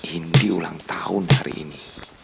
hindi ulang tahun hari ini